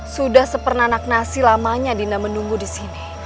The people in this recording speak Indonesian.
sudah sepernanak nasi lamanya dinda menunggu di sini